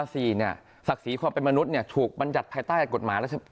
สิ่งที่มันเกิดขึ้นในสังคมบ้านเรา